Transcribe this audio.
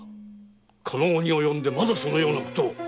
この期に及んでまだそのようなことを。